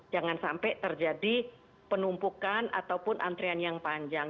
jangan sampai terjadi penumpukan ataupun antrian yang panjang